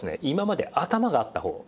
今まで頭があった方